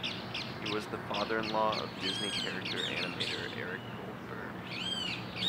He was the father-in-law of Disney character animator Eric Goldberg.